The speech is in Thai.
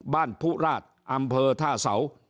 บ้านพุราษอำเภอท่าเสา